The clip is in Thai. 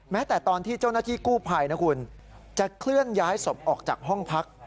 แต่ตอนที่เจ้าหน้าที่กู้ภัยนะคุณจะเคลื่อนย้ายศพออกจากห้องพัก